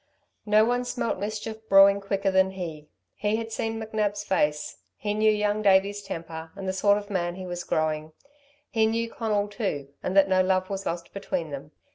No one smelt mischief brewing quicker than he. He had seen McNab's face. He knew Young Davey's temper and the sort of man he was growing. He knew Conal, too, and that no love was lost between them.